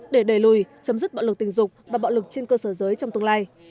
để đẩy lùi chấm dứt bạo lực tình dục và bạo lực trên cơ sở giới trong tương lai